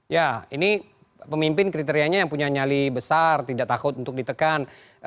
ya ini pemimpin kriterianya yang punya nyali besar tidak takut untuk ditekan